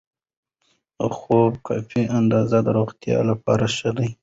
د خوب کافي اندازه د روغتیا لپاره ښه ده.